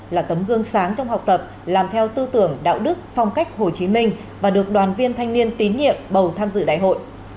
là tấm gương sáng trong học tập làm theo tư tưởng đạo đức phong cách hồ chí minh và được đoàn viên thanh niên tín nhiệm bầu tham dự đại hội